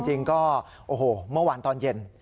จริงก็โอ้โหเมื่อวานตอนเย็น